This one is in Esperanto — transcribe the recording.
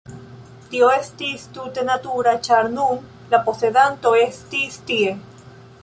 Tio estis tute natura, ĉar nun la posedanto estis tie.